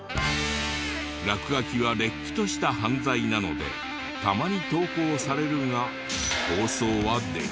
落書きはれっきとした犯罪なのでたまに投稿されるが放送はできない。